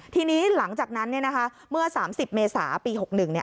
ทีนี้หลังจากนั้นเมื่อ๓๐เมษาปี๖๑